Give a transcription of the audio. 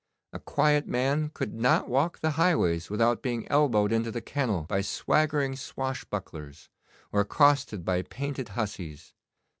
A quiet man could not walk the highways without being elbowed into the kennel by swaggering swashbucklers, or accosted by painted hussies.